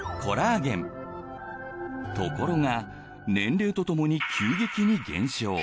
ところが年齢とともに急激に減少。